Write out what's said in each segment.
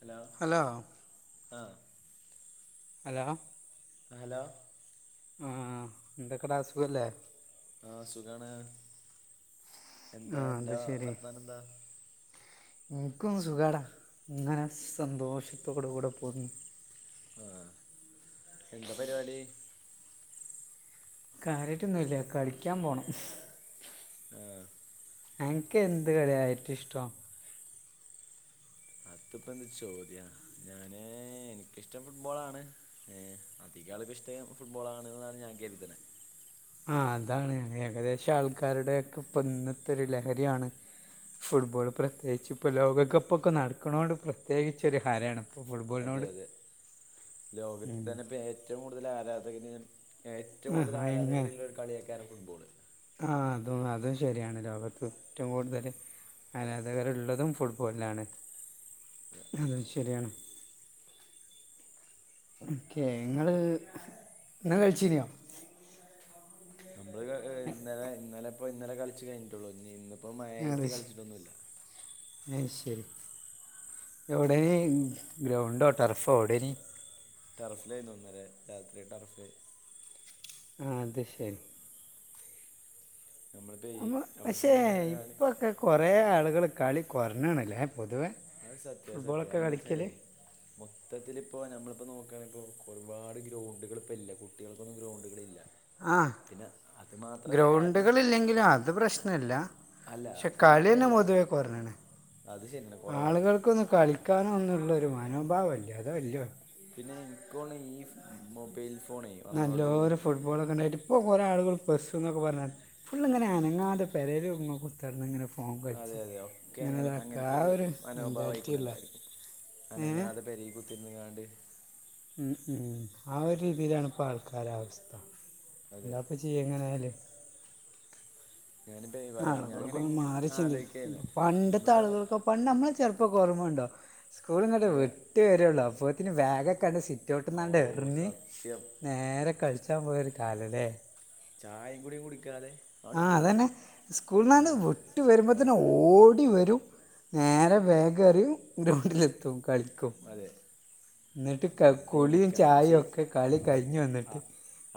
Hello hello ആഹ് hello hello ആ എന്തെക്കടാ സുഖല്ലേ ആഹ് സുഖാണ് എന്താ ആഹ് അത് അന്റെ വർത്താന ന്താ ഇൻക്കും സുഖാടാ ഇങ്ങനെ സന്തോഷത്തോട് കൂടെ പോകുന്നു ആ എന്താ പരിപാടി കാര്യായിട്ട് ഒന്നും ഇല്ല കളിക്കാൻ പോണം ആഹ് അൻക്ക് എന്ത് കളിയാ ഏറ്റുഷ്ട്ടം അത് പ്പം എന്ത് ചോദ്യാ ഞാന് എനിക്കിഷ്ടം ഫുട്ബോൾ ആണ് ഏ അധികാൾക്കും ഇഷ്ടം ഫുട്ബോൾ ആണ് ന്നാണ് ഞാൻ കെര്ത്ണെ ആ അതാണ് ഏകദേശം ആൾക്കാരുടെയൊക്കെ ഇപ്പം ഇന്നത്തൊരു ലഹരിയാണ് ഫുട്ബോൾ പ്രത്യേകിച്ച് ഇപ്പോ ലോകകപ്പൊക്കെ നടക്ക്‌ണോണ്ട് പ്രത്യേകിച്ചൊരു ഹരാണ് ഇപ്പോൾ അതെ ഫുട്ബോളിനോട് അതെ ലോകത്ത് തന്നെ ഇപ്പം ഏറ്റവും കൂടുതൽ ആരാധകന് ഏറ്റവും കൂടുതൽ ആഹ് ആരാധകര്ള്ളൊര് കളിയെയ്‌ക്കാരം ഫുട്ബോൾ ആ അതും അതും ശരിയാണ് ലോകത്ത് എറ്റം കൂടുതല് ആരാധകര്ള്ളതും ഫുട്ബോളിലാണ് അതും ശരിയാണ് ഓക്കെ ഇങ്ങള് ഇങ്ങള് കൾച്ചീ ന്യോ നമ്മള് ഇന്നലെ ഇന്നലെ പ്പോ ഇന്നലെ കളിച്ച് കഴിഞ്ഞിട്ടുള്ളു ഇ ഇന്നിപ്പോ മഴായിട്ട് കളിച്ചിട്ടൊന്നുല്ല അഹ് ശരി എവിടെൻ ഗ്രൗണ്ടോ ടർഫോ എവിടെ നി ടർഫിലേന്നു ഇന്നലെരാത്രി ടർഫ് ആ അത് ശരി നമ്മളിപ്പോ ഈ നമ്മൾ പക്ഷേ നമുക്കിങ്ങനെ ഞാൻ ഇപ്പൊ ക്കെ കൊറേ ആളുകള് കളി കുറഞ്ഞണ് ല്ലേ പൊതുവേ അഹ് സത്യാ സത്യാ എന്താച്ചാലേ മൊത്തത്തില് ഇപ്പോ നമ്മളിപ്പോ നോക്കാണങ്കി പ്പോ ഒരുപാട് ഗ്രൗണ്ടുകൾ ഇപ്പ ഇല്ല കുട്ടികൾക്കൊന്നും ഗ്രൗണ്ടുകൾ ഇല്ല ആഹ് കാരണം ഗ്രൗണ്ടുകള് ഇല്ലെങ്കിലും അത് പ്രശ്നല്ല അല്ല പക്ഷെ അത് കളി ന്നെ മാത്രല്ല പൊതുവേ കൊറഞ്ഞ് ണ് അത് ശരിയാണ് കുറവാണ് ആളുകൾക്കൊന്നും കളി ക്കാനൊന്നുള്ള ഒര് മനോഭാവല്ല അതാ വല്യ പിന്നെ ഇൻകോണ് ണേഈ മൊബൈൽ ഫോ നല്ലൊരു ഫുട് ഫുട്ബോളൊക്കെ ണ്ടായിട്ട് ഇപ്പോ കുറെ ആളുകൾ പസ്സ്ന്നൊക്കെ പറഞ്ഞാ ഫുൾങ്ങനെ അനങ്ങാതെ പേരേല് ങ്ങ കു ത്തർന്ന് ഇങ്ങനെ ഫോൺ അതെ കൾച്ചാ അതെ ഒക്കെ അങ്ങനെ ഇങ്ങനെതാ അങ്ങനത്തെ ക്കാആ ഒരു മെന്റാലിറ്റി മനോഭാവമായിക്കോണ് ള്ള എല്ലാവർക്കും അനങ്ങാതെ പെരി കുത്തിർന്ന്ങ്ങാണ്ട് ഉ ഉം ആ ഒരു രീതിയിലാണ് ഇപ്പ ആൾക്കാര അവസ്ഥ അതെ എന്താപ്പ ചി എങ്ങനെയാല്. ഞാനിപ്പോ ഈ പറയാ ഞാൻ ആളുകളൊക്കൊന്ന് അങ്ങനെ മാറി ചിന്തി ആലോചിക്കായിരുന്നു പണ്ടത്തെ നമ്മളിപ്പോ ആളുകൾക്കം. പണ്ട് മ്മൾ ചെർപ്പക്കോർമണ്ടോ? സ്കൂള്ങ്ങട്ട് അതെ വ്ട്ട് വരുയുള്ളൂ അപ്പോത്തിന് ബാഗൊക്കെണ്ട് സി ഓ റ്റോട്ട്ന്നാണ്ട് എർഞ്ഞ് സത്യം നേരെ കളിച്ചാൻ പോയൊരു കാലല്ലേ? ചായിം കൂടി കുടിക്കാതെ. അവന് ആഹ് പോകും അതന്നെ സ്കൂൾന്നാണ്ട് ഏഹ് വ്ട്ട് വൈ വരുമ്പത്തിന് ഓ ഓടി വരും നേരെ ബേഗെറിം ഗ്രൗണ്ടിലെത്തും കളിക്കും. എന്നിട്ട് ക കുളിയും അതന്ന്ക്ക പക്ഷേ ചായയും ഒക്കെ കളി കഴിഞ്ഞ് ആ. വന്നിട്ട്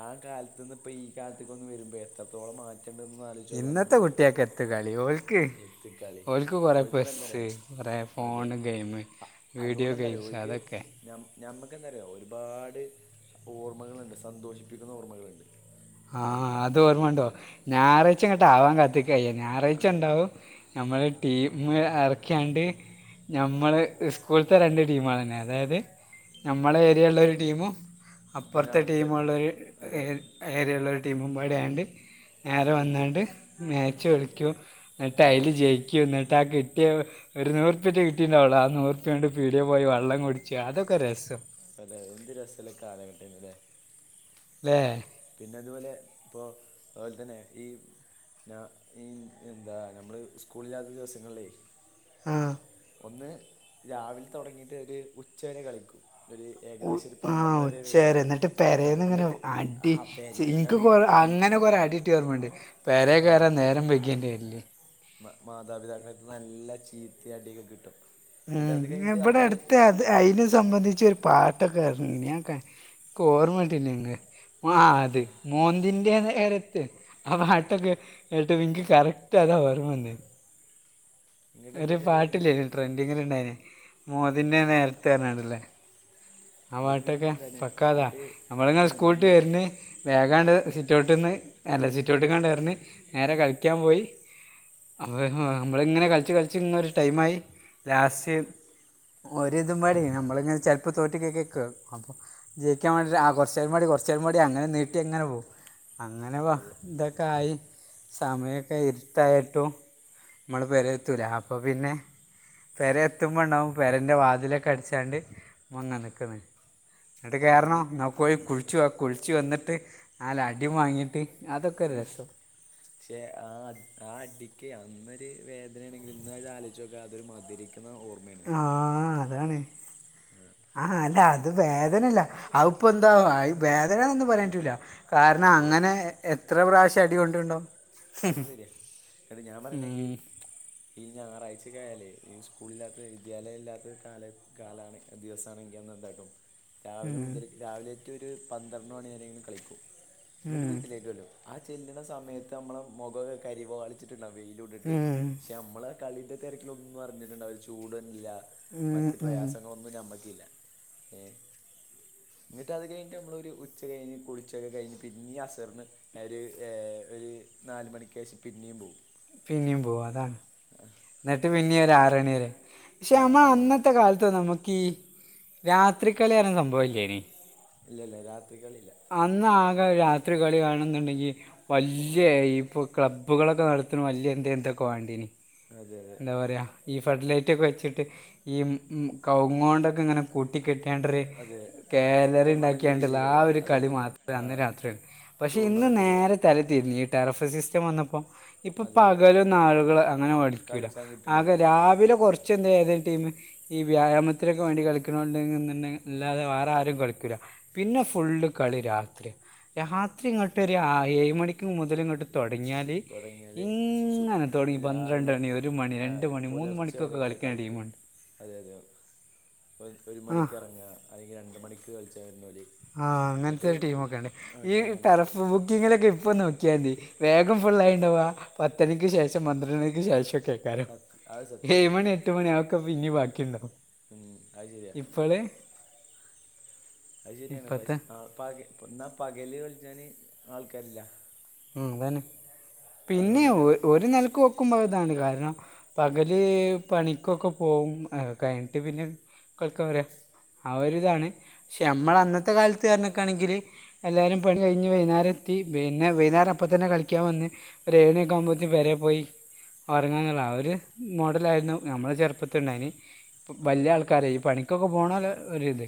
ആ കാൽത്ത്ന്ന് പ്പ ഈ കാൽത്ക്കൊന്ന് വരുമ്പോ എത്രത്തോളം മാറ്റ- റ്റണ്ട്ന്ന് ഇന്നത്തെ ന്നാലോയ്ചോക്ക്യാണ്യമ്മള് കുട്ടികൾക്ക് എത്ത് കളി ഓൽക്ക് എത്തിക്കളി ഓൽക്ക് കുറേ പെസ്സ് ഓിൽക്ക്പെന്തറ്യോ. കുറേ അതെ ഫോണ് ഗെയിം അ വീഡിയോ അതോണ്ടെന്തറ്യോ ഗെയിംസ് ഓൽക്ക് അതൊക്കെ ഞമ് ഞമ്മക്കെന്തറ്യോ ഒരുപാട് ഓർമ്മകളുണ്ട് സന്തോഷിപ്പിക്കുന്ന ഓർമ്മകള്ണ്ട്. ആഹ അതോർമ്മ ണ്ടോ ഞാറാഴ്ച്ച ങ്ങട്ടാവാൻ കത്തിക്കയ്യ ഞാറാഴ്ച്ച ഉ അതെ ണ്ടാവും. ഞമ്മള് ടീം എറക്ക്യാണ്ട്. ഞമ്മള് സ്കൂൾത്തെ രണ്ട് ടീമാളെന്നെ അതായത്. ഞ്ഞമ്മളേരിയള്ള ഒരു ടീമും പിന്നെ അപ്പർത്തെ അവിടുത്തെ ടീമുള്ളരു അതെ ഏരി ഏരിയെള്ളരു ടീമുംപാടായാണ്ട് നേരെ മുട്ടും വന്നാണ്ട് മാച്ച് ൾക്ക്യും. ഉം. ന്നട്ടൈല് ജയ്ക്ക്യും ന്നട്ടാ കിട്ട്യ. ഒരു നൂറുപ്പ്യറ്റ കിട്ടീണ്ടാവുള്ളൂ ആ നൂറുപ്പ്യോണ്ട് പീടിയെ പോയി വള്ളം കുട്ച്ച് അതൊക്കെ രസം. പലേ എന്ത് രസല്ല കാലഘട്ടേന്നു ല്ലേ? ലേ. പിന്നെ അതുപോലെ പ്പോ അതുപോൽതന്നെ ഈ. ഞാ ഈ എന്താ ഞ്ഞമ്മള് സ്കൂളില്ലാത്ത ദിവസങ്ങൾലേ. ആഹ്. ഒന്ന് രാവിൽ തൊട്ങ്ങിട്ട് ഒരു ഉച്ചരെ കളിക്കും. ഒരു ഉ ഏകദേശം ഒരു ആഹ് പന്ത്രണ്ടര വരെ ഉച്ചരെ കളിക്കും ന്നട്ട് ആ പെരേന്ന്ങ്ങനെ ഇങ്ങോട്ട് ആ അടി ചി പേര് ആ ഇൻക് കൊറ വീട്ട് ആം, അങ്ങനെ. ഒരടിട്ട്യോർമണ്ട് പെരി ആം, കേറാൻ നേരം വെയ്ക്യേൻ്റെര്‌ല്. മ മാതാപിതാക്കളത്ത്ന്ന് നല്ല ചീത്തി അടിയൊക്കെ കിട്ടും. ന്നട്ട് അത് കയ്ഞ്ട്ട് അമ്മള് ത് അയ്ന് സംബന്ധിച് ഒരു പാട്ടൊക്കെർങ്ങിനി ഞാൻ ക കോർമ്മട്ടീ. [unintelligible] ആഹ് അത് മോന്തിന്റെ നേരത്ത്. ആ പാട്ടൊക്കെ കേട്ടപിൻക്ക് കറക്റ്റ്താ ഓർമവന്നെ. ഇങ്ങോട്ട് എന്താ ഒരു വെച്ചാൽ ഇങ്ങോട്ട് പാട്ടില്ലേനോ ട്രെൻഡിങ്ല് ണ്ടായിനെ മോതിൻ്റെ നേരത്ത് അർഞ്ഞാണ്ട്ള്ളെ. ആ എന്നിട്ട് പിന്നെ വാട്ടൊക്കെ എന്താണ് പക്കാതാ എന്നിട്ട് നമ്മള്ങ്ങ ആ സ്കൂൾട്ട് ഞമ്മള് വര്ന്. വേഗാണ്ട് സിറ്റൗട്ട്ന്ന് അല്ല സിറ്റൗട്ട് കാണ്ടർഞ്ഞ് നേരെ കൾക്ക്യാൻ പോയി. [unintelligible] ഞമ്മള് ഇങ്ങനെ കളിച്ച് കളിച്ച് ഇങ്ങ ഒര് ടൈം ആയി ലാസ്റ്റ് ഒരിതും മാരി ഞമ്മള് ഇങ്ങന ചെൽപ്പോ തോറ്റ് ക് ക്കും അപ്പം ജയിക്കാൻ വേണ്ടി ആ കൊറേച്ചോരുംപാടി കൊറേച്ചോരുംപാടി അങ്ങന നീട്ടി അങ്ങനെ പോവും. അങ്ങനെ വ അതെ തൊക്കെ ആയി സമയൊക്കെ ഇര്ട്ടായിട്ടും നമ്മള് പേര എത്തൂല്ലാ അപ്പ പിന്നെ പേര എത്തുമ്പാം ണ്ടാവും പേരൻ്റെ വാതിലൊക്കെ അടച്ചാണ്ട് ഉമ്മാ ഇങ്ങ് നിക്ക്ന്നോ [unintelligible] കേറണോ പിന്നെ ന്നാ പോയി കുൾച്ചു വാ കുൾച്ച് വന്നിട്ട് നല്ല അടിം വാങ്ങിട്ട് അതൊക്കെ ഒര് രസം പക്ഷേ ആ ആ അടിക്ക് അന്നൊര് വേദനണെങ്കിൽ ഇന്ന് അത് ആലോചിചോക്കാ അതൊരു മധിരിക്കുന്ന ഓർ ആഹ് അതാണ് ആഹ്. ആഹാ അല്ല അത് വേദനല്ലാ അത് ഇപ്പൊ എന്താ വേദനാ ന്നൊന്നും പറയാൻ പറ്റൂല്ല. കാരണം അതെ അങ്ങനെ എത്ര പ്രാവശ്യം അടികൊണ്ടിണ്ടാവും. അത് ശേരിയാ അല്ലാ ഞാൻ പറെനേക്ക്. ഉം. ഈ ഞായറാഴ്ച്ചക്കായാലേ ഈ സ്കൂളില്ലാത്ത വിദ്യാലയം ഇല്ലാത്ത കാലാ കാലാണ്. ദിവസാണെങ്കി അന്ന് എൻന്താട്ടും. രാവിലെ ഉം, മുതല് രാവിലെറ്റ ഒര് പന്ത്രണ്ട് മണിരെങ്കിലും കളിക്കും, ന്നിട്ട് ഉം, വീട്ടിലേക്ക് ചേല്ലും. ആ ചെല്ല്ണാ സമയത്ത് ഞമ്മള മെഖേക്കേ കരിവാളിച്ചിട്ട്ണ്ടാവും വെയില് കൊണ്ടിട്ടേയ്. ഉം, ഞമ്മള് കളിന്റെ തെരക്കിലും ഒന്നും അറഞ്ഞിട്ട് ണ്ടാവില്ലാ ചൂട്ന്നില്ല ഉം, മറ്റ് ഉം. പ്രയാസങ്ങള ഒന്നും ഞമ്മക്ക് ഇല്ല എ ന്നിട്ട് അത് കഴിഞ്ഞിട്ട് ഞമ്മളോര് ഉച്ച കഴിഞ്ഞ് കുളിച്ചൊക്കേ കഴിഞ്ഞ് പിന്നിം അസറിന് ഒര് ഒര് നാല് മണിക്കേഷം പിന്നിം പോംവും. പിന്നിം പോവും അതാണ് ന്നട്ട് പിന്നിം ഒര് ആറണി വരെ പക്ഷേ ആ നമ്മാ ആറ് മണി അന്നത്തെ കാലത്തൊന്നും നമുക്കി രാത്രിക്കളി സംഭവല്ലേനി ഇല്ല ഇല്ല രാത്രി കളില്ലാ. അന്ന് ആകെ രാത്രി കളി കാണെന്ന്ണ്ടെങ്കി വല്ല്യായ ഇപ്പൊ ക്ലബ്ബുകളൊക്കെ നടത്തണാ വല്ല്യായ എന്തൊ എന്തൊക്കെ വേണ്ടോനി. അതെ അതെ എന്താ പറയാ ഈ ഫെട്ലൈറ്റ് ഒക്കെ വെച്ചിട്ട് ഈ ഹമ് കവുങ്ങോണ്ടോക്കേ ഇങ്ങനെ കൂട്ടി [unintelligible] അതെ ഗാലറി ടൂർണമെൻ്റ് ഇണ്ടാക്കിയണ്ട്ള്ള ആ രീതിയിലല്ലേ ഒര് കളി അതൊക്കെ മാത്രെ ആ അന്ന് രാത്രി പക്ഷേ ഇന്ന് ടൂർണമെൻറ്റുകൾ നേരെ തല തിരിഞ്ഞ് ടെറഫ് സിസ്റ്റം വന്നപ്പോ, ഇപ്പോ അതെ അതെ പകലൊന്നും ആള്കൾ അങ്ങനെ [unintelligible] ക്കൂല കളിച്ചാൻ കിട്ടണില്ല ആകെ അതെ രാവിലെ കൊർച്ച് [unintelligible] ഏതേം ടീമ് ഈ വ്യായാമത്തിനൊക്കെ വേണ്ടി കളിക്ക് [unintelligible] അല്ലാതെ വേറെ ആരും കളിക്കൂല്ലാ പിന്നെ ഫുള്ള് കളി രാത്രി രാത്രി ഇങ്ങട്ട് ആ ഏഴ് മണിക്ക് മുതല് ഇങ്ങട്ട് തൊടങ്ങിയാല് തുടങ്ങിയാൽ സു ഇങ്ങനെ തോടങ്ങി രാവിലെ പന്ത്രണ്ടണി ഒ ഒരു മണി രണ്ട് മണി മൂന്ന് പുലർച്ചെ മണിക്കൊക്കെ വരെയൊക്കെ കളിക്ക്ണ കളിക്കുക ടിമ്ണ്ട് അതെ അതെ ഒര് ഒര് ആ മണിക്ക് എറങ്ങാ അല്ലെങ്കി രണ്ട് മണിക്ക് കൾച്ചാൻ വര്നൊല് ആഹ്, അങ്ങൻത്തെ ഒര് ടീമോക്കണ്ട് ഈ അങ്ങനെ ടെറഫ് ബുക്കിങ്ങിലൊക്കെ ഇപ്പൊ നോക്കിയാതി വേഗം ഫുൾ ആയിണ്ടാവ പത്തണിക്ക് ശേഷം പന്ത്രണ്ടണിക്ക് ശേഷം ഒക്കെയ്കാരം സത്യ അത് സത്യം ഏഴ് മണി സത്യം എട്ട് മണി ആ പിന്നിം ബാക്കി ണ്ടാവും. ഉം അയ് ശരിയാ [unintelligible] അത് ശെരിയാണ് ഇപ്പോഴത്തെ പശെ [unintelligible] ന്നാ പകല് കളിച്ചാന് ആൾക്കാരില്ലാ. ഉം അതാണ് പിന്നെ അതുകൊണ്ട് തന്നെ ഒര് ഒര് നേലക്കോ നക്കുമ്പോ ഇതാണ് കാരണം പകല് പണിക്കൊക്കെ പോകും, കഴിഞ്ഞിട്ട് പിന്നെ [unintelligible] അവര് ഇതാണ് പക്ഷേ ഞമ്മള് അന്നത്തെ കാലത്ത് പർഞക്കാണെങ്കില് എല്ലാരും പണി കഴിഞ്ഞ് വൈന്നാരം എത്തി പി വൈനേരം അപ്പം തന്നെ കളിക്കാൻ വന്ന് ഒര് ഏഴരക്കേ ആവുമ്പോക്ക് പേരെ പോയി ഒർങ്ങാനുള്ള ഒര് മോഡലാ ആ യിരുനു ഞമ്മളെ ചെർപ്പത്ണ്ടായി നി. പ അതെ ബല്യ ആൾക്കാരെ ഈ പണിക്കൊക്കെ പോണല്ല ഒരിത്.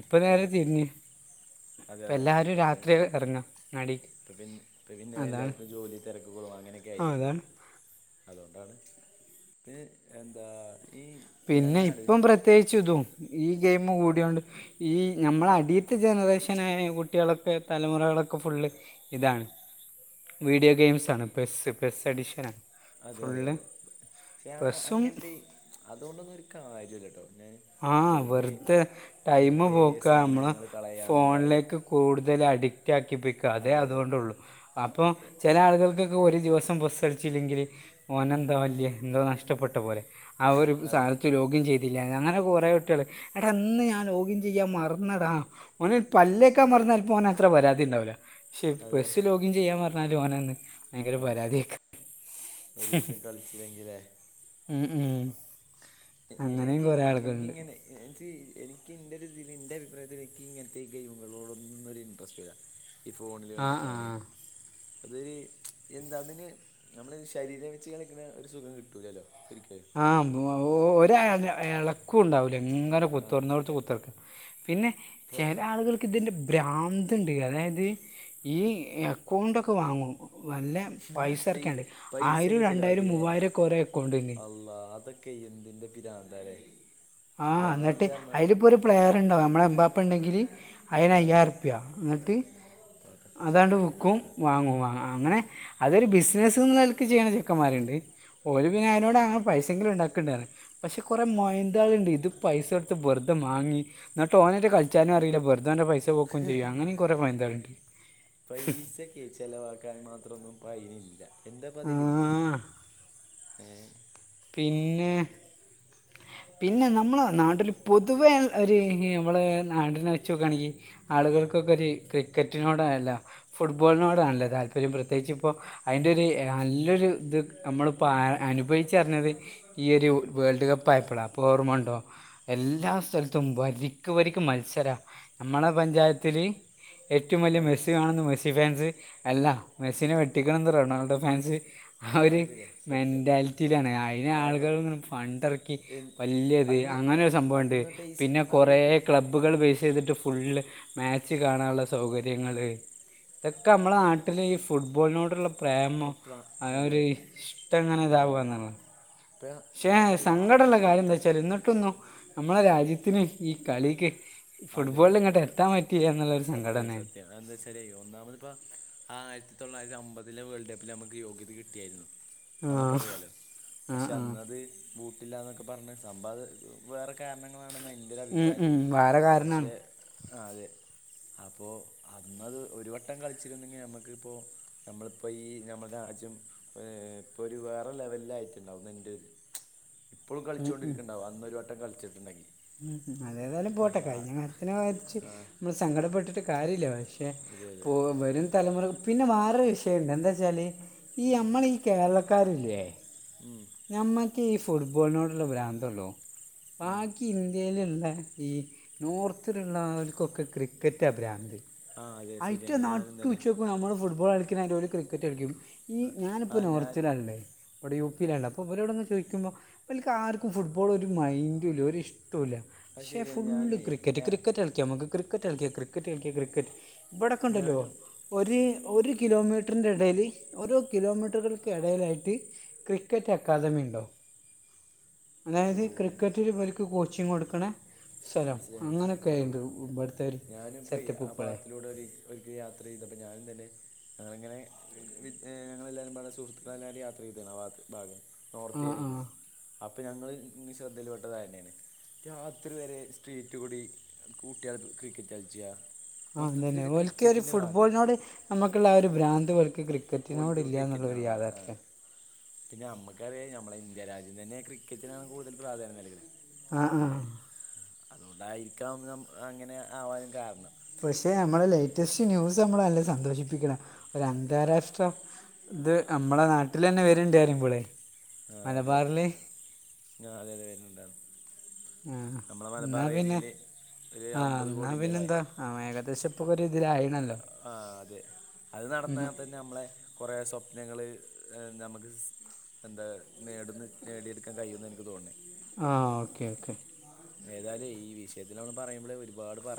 ഇപ്പ നേരെ അതെ തിര്ഞ്ഞ് അതെ അതെ പെല്ലാരു രാത്രി എർങ്ങ ങ്ങാടി. പ്പ പിന്നെ പ പിന്നെ എല്ലാർക്കും ജോലി തെരക്കുകളും അങ്ങനൊക്കെ ആ ആയിലേ. അതാണ് അതോണ്ടാണ് പിന് എന്താ. ഈ ഞാൻ പിന്നെ ഇങ്ങനെ ഇപ്പം ആലോചിച്ചു പ്രത്യേകിച്ച് ഇതും ഈ ഗെയിം കൂടിയൊണ്ട്. ഈ ഞ്ഞമ്മളടീത്ത ജനറേഷനായ കുട്ട്യളൊക്കെ തലമുറകളൊക്കെ ഫുള്ള്. ഇതാണ് വീഡിയോ ഗെയിംസാണ് പെസ്സ് പെസ്സഡിഷനാ. അതെ അതെ അതെ ക്യാ പെസ്സും അങ്ങൻ ത്തീ അതോണ്ടൊന്നൊരു കാര്യൂല്ലട്ടോ ഞാന്. ആഹ് വെർതെ ടൈമ് പോക്ക മ്മള് സമയങ്ങൾ കളയാന്നല്ലാതെ ഫോൺലേക്ക് കൂടുതൽ അഡിറ്റ്- കാക്കിപ്പിക്ക അതെ അതുകൊണ്ടുള്ളൂ അപ്പം- അതെ ചെല ആളുകൾക്കൊക്കെ ഒരു ദിവസം പൊസ്സട്ച്ചില്ലെങ്കില് ഓനന്തോ വല്യ എന്തോ നഷ്ടപ്പെട്ട പോലെ. അവരും അതെ സാനത്ത് ലോഗ്യം ചെയ്തില്ല. അങ്ങനെ കൊറേ കുട്ട്യള് എട ന്ന് ഞാൻ ലോഗിൻ ചെയ്യാ മറന്നടാ. ഒന്ന് പല്ലേക്കാ മർന്നാ ൽപോനത്ര പരാതിണ്ടാവൂല. ശെ അതെ പെസ്സ് ലോഗിൻ ചെയ്യാൻ മർന്നാലോന് അതെ ഭയങ്കരപരാതി യക്ക് ഒരു ദിവസം കളിച്ചില്ലെങ്കിലേ ഉ ഉ എനിക്ക് എനിക്കിങ്ങനെ എനിക്ക് എനിക്ക് എൻ്റെ ഒരു എൻ്റെ അഭിപ്രായത്തിൽ എനിക്ക് ഇങ്ങനത്തെ ഗെയിമുകളോടൊന്നും ഒരു ഇൻട്രസ്റ്റ് ല്ല ഈ ഫോണിൽ ആ കളിക്കാാന് ആ അതൊരു എന്താ അതിന് നമ്മള് ശരീരം വെച്ച് കളിക്കുന്ന ഒരു സുഖം കിട്ടൂലല്ലോ ഒരിക്കലും ആ ഒരാ ഇള ക്കും ഉണ്ടാവില്ല എങ്ങനെ കുത്തിറന്നോടുത്ത് അതെ കുത്തിറക്കാം പിന്നെ ഇപ്പൊ ചില ആളുകൾ ഇതിൻ്റെ ബ്രാന്തു ഉണ്ട് അതായത് ഈ അക്കൗണ്ടൊക്കെ വാങ്ങും വ ല്ല പൈസ പൈ ഇറക്കണ്ട് ആയിരം പൈസയൊക്കെ രണ്ടായിരം മൂവായിരം ഒക്കെ ഓരോ അക്കൗണ്ട് ന് [unintelligible] ക എന്തിന്റെ പിരാ ന്ന്താലെ ആ എന്നിട്ട് അതിലപ്പോൊ ഒരു പ്ലെയർുണ്ടാവും നമ്മുടെ എമ്പാപ്പ ഉണ്ടെങ്കില് അയിന് ആ അയ്യായി രൂപ്യ എന്നിട്ട് അതാണ്ട് പടച്ചോനെ വിൽക്കും വാങ്ങും വാങ്ങ അങ്ങനെ അതൊരു ബിസിനസ്സ് എന്നനെലക്ക് ചെയ്യുന്ന ചെക്കന്മാരുണ്ട് ഓ ല് പിന്നെ അതിനോട്ങ്ങനെ പൈസെങ്കിലും ഉണ്ടാക്ക് ണ്ടറി പക്ഷെ കുറെേ മ ഇതണ്ട് ഇത് പൈസ കൊടുത്ത് വെറുതെ മാങ്ങിന്ന് ട്ട് ഓനറ്റേ കളിച്ചാനും അറിയില്ലെറുതവൻന്റെ പൈസ പൊക്കും ചെയ്യും അങ്ങനെ കുറെ മൊയ ന്താലുണ്ട് ചിലവാക്കാൻ മാത്രമൊന്നും പൈനില്ല എന്താ പ ആ അതിലില്ലത് ഏ പിന്നെ പിന്നെ നമ്മൾ നാട്ടൊില് പൊതുവെ ഒരു നമ്മള് നാടിനെ വെച്ചു നോക്കുകയാണെങ്കിൽ ആളുകൾക്കൊക്കെ ഒരു ക്രിക്കറ്റിനോടാണല്ലോ ഫുട്ബോളിനോടാണല്ലോ താല്പര്യം പ്രത്യേകിച്ച് ഇപ്പോൾ അതിന്റെ ഒരു നല്ലൊരു ഇത് നമ്മളിപ്പോ അനുഭവ റിഞ്ഞത് ഈ ഒരു വേൾഡ് കപ്പ് ആയപ്പോടാ അപ്പൊ ഓർമണ്ടോ എല്ലാ സ്ഥലത്തും വരിക്ക് വരി ക്ക് മത്സരാ നമ്മുളെ പഞ്ചായത്തിൽ ഏറ്റവും വലിയ ആ മെസ്സ് കാണുന്നു മെസ്സി ഫാൻസ് അല്ല മെസ്സിനെ വെട്ടിക്കണന്ന് റൊണാൾഡോ ഫാൻസ് ആ ഒരു അത് ശരിയാ സത്യം മെന്റാലിറ്റിയിലാണ് അയിെന് ആ ആളുകൾ ഇങ്ങനെ ഫണ്ട്ഇറക്കി വലിയത് അതിമ അങ്ങനെ ഒരു സംഭവംുണ്ട് അതിമ പൈസ പിന്നെ കുറേ അതുപോലെ പൈ ക്ലബ്ബ് ഉപ്പുകൾ ബേസ് തിട്ട് ഫുള്ള് മാച്ച് കാണാനുള്ള സൗകര്യങ്ങൾ ഇതൊക്കെ നമ്മള നാട്ടിൽ ഈ ഫുട്ബോളിനോടുള്ള ഏ, പ്രേമം പ്ര അ അതെ ഒരു ഇഷ്ടം ങ്ങനെ പ്രേ ഇതാാവുന്ന ഇപ്പ പക്ഷേ നമുക്കറിയാം സങ്കട ള്ള കാര്യം എന്താ എത്ര വച്ചാൽ എന്നിട്ടൊന്നു നമ്മളെ രാജ്യത്തിന് ഈ കളിക്ക് അതെ ഫുട്ബോളിൽ ഇങ്ങട്ട് എത്താൻ പറ്റില്ല എന്നുള്ളൊരു സംഘടനാണ് അന്താ വെച്ചാൽ ഒന്നാമത് ഇപ്പം ആയിരത്തി തൊള്ളായിരത്തി അമ്പതിലെ വേൾഡ് കപ്പില് നമുക്ക് യോഗ്യത കിട്ടിയായിരുന്നു ആഹ് നമുക്കറിയാലോ ആഹ് പക്ഷെ ആഹ് അന്നത് ബൂട്ടില്ലന്നൊക്കെ പറഞ്ഞ് സമ്പത് വേറെ കാരണങ്ങളാണെന്ന എൻ്റെ ഒര് ഉം ഉം അഭിപ്രായത്തില് വേറെ പക്ഷേ കാരണാണ് അത് അപ്പോ അന്നത് ഒരു വട്ടം കളിച്ചിരുന്നെങ്കി നമ്മക്ക് ഇപ്പോ നമ്മളിപ്പോ ഈ നമ്മടെ രാജ്യം ഏഹ് ഇപ്പൊ ഒര് വേറെ ലെവലിലായിട്ടുണ്ടാവും എന്റെ ഒര് ഇപ്പോളും കളിച്ചോണ്ടിരിക്കണ്ടാവും അന്നോരു വട്ടം കളിച്ചിട്ടൊണ്ടെങ്കി ഉം അതേതായാലും പോട്ടെ കഴിഞ്ഞ കാര്യത്തിനെ വച്ച് ആ നമ്മള് സങ്കടപ്പെട്ടിട്ട് കാര്യമില്ല പക്ഷേ പക്ഷെ അതെ പോ അതെ വരും തലമുറ പിന്നെ വേറൊരു വിഷയം ഉണ്ട് എന്താ വച്ചാല് ഈ നമ്മളീ കേരളക്കാരില്ലേ ഉം ഞമ്മക്ക് ഈ ഫുട്ബോളിനോടുള്ള ഭ്രാന്തൊള്ളൂ ഉം ബാക്കി ഇന്ത്യയിലുള്ള ഈ നോർത്തിലുള്ളവർക്കൊക്കെ ക്രിക്കറ്റാ ഭ്രാന്ത് ആ അതെ ആയിട്ട ശരിയാണ് ഞാനും തന്നെ നട്ടുച്ച ഇപ്പോ നമ്മള് ഫുട്ബോൾ കളിക്കുന്ന മാതിരി ഓല് ക്രിക്കറ്റ് കളിക്കും ആ ഈ ആ, ഞാനിപ്പോൾ ഞാൻ നോർത്തിലാ ഉള്ളത് ഇവടെ യു പിയിലാ ഉള്ളത് ഇവരോടൊന്നു ചോദിക്കുമ്പോൾ ഇവൽക്ക് ആർക്കും ഫുട്ബോൾ ഒരു മൈൻഡും ഇല്ല ഒരു ഇഷ്ടമില്ല അത് പക്ഷെ ശരിയാണ് ഫുള്ള് ഞാനുവേ ക്രിക്കറ്റ് ഞാൻ ക്രിക്കറ്റ് കളിക്കാം നമുക്ക് ക്രി ക്രിക്കറ്റ് കളിക്കാ ക്രിക്കറ്റ് കളിക്ക ക്രിക്കറ്റ് ഇവിടൊക്കെ ഉണ്ടല്ലോ ഞാനും ഒരു ഒരു കിലോമീറ്ററിൻ്റെ ഇടയിൽ ഓരോ കിലോമീറ്ററുകൾക്ക് ഇടയിലായിട്ട് ക്രിക്കറ്റ് ആക്കാദമി ഉണ്ടാവും ഓ അതായത് ക്രിക്കറ്റില് ഇവർക്ക് കോച്ചിങ് കൊടുക്കണ സ്ഥലം മനസിലായി അങ്ങനെയൊക്കെ ഓ ഉണ്ട് ഇവിടുത്തെ ഒരു ഞാനിപ്പോൾ സെറ്റപ്പ് ആ ഇപ്പോഴേ ഭാഗത്തിലൂടെ ഒരു ഒരിക്കൽ യാത്ര ചെയ്തപ്പോൾ ഞാനും തന്നെ അത് അങ്ങനെ ഞങ്ങളെല്ലാവരും പാടെ പല സുഹൃത്തുക്കളെ എല്ലാവരും യാത്ര ചെയ്താണ് ആ ഭാഗം നോർത്ത് ആ ഏരിയൽ ആ കൂടി അപ്പോ ഞങ്ങൾ ഇങ്ങനെ ശ്രദ്ധയിൽ പെട്ടത് അത് തന്നെയാണ് രാത്രി വരെ സ്ട്രീറ്റ് കൂടി കൂട്ടിയാൽ ക്രിക്കറ്റ് കളിച്ചുക ആഹ് അത് തന്നെ ഓൽക്ക് ഒരു ഫുട്ബാളിനോട് നമ്മക്കുള്ള ആ ഒരു ഫ്രാന്ത് എനിക്ക് ക്രിക്കറ്റിനോട് ഓൽക്ക് ഇല്ല എന്നുള്ള ഒരു ക്രിക്കറ്റിനോടാണ് ആ യാഥാർത്യാ പിന്നെ നമ്മുക്കറിയാം നമ്മളെ ഇന്ത്യ രാജ്യം തന്നെ ക്രിക്കറ്റിനാണ് കൂടുതൽ പ്രാധാന്യം നൽകണത് ആ ആ ഏ അതുകൊണ്ടായിരിക്കാം അങ്ങനെ ആവാനും കാരണം പക്ഷെ നമ്മളെ ലേറ്റസ്റ്റ് ന്യൂസ് നമ്മളെ നല്ല സന്തോഷിപ്പിക്കണം ഒരു അന്താരാഷ്ട്ര ഇത് നമ്മളെ നാട്ടിൽ തന്നെ വരുന്നുണ്ട് അറിയുമ്പളെ ആഹ് അതെ ഞാൻ അതെ അതെ വരുന്നുണ്ടാണ് ആ നമ്മടെ മലബാർ എന്നാൽ പിന്നെ ഏരിയല് ഒരു അമ്പത് കോടിയുണ്ട് അല്ലേ ആഹ് ഏകദേശം ഇപ്പോ ഒക്കെ ഒരു ഇതിലായിണല്ലോ ആഹ് അതെ അത് നടന്നാൽ തന്നെ നമ്മടെ കുറേ സ്വപ്നങ്ങള് നമുക്ക് എന്താ നേടുന്ന നേടിയെടുക്കാൻ കഴിയൂന്നാ എനിക്ക് തോന്നണേ ആഹ് ഓക്കേ ഓക്കേ ഏതായാലും ഈ വിഷയത്തില് നമ്മള് പറയുമ്പോളെ ഒരുപാട് പറയാൻ.